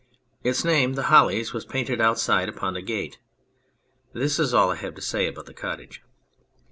Its name, " The Hollies," was painted outside upon the gate. This is all I have to say about the cottage.